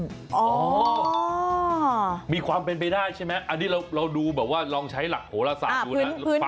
ขึ้นอ๋ออออมีความเป็นไปได้ใช่ไหมอันนี้เรารู้แบบว่าลองใช้หลักโหลศาจอยู่นะ